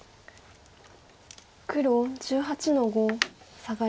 黒１８の五サガリ。